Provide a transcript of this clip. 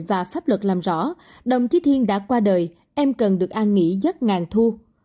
và pháp luật làm rõ đồng chí thiên đã qua đời em cần được an nghỉ giấc ngàn thu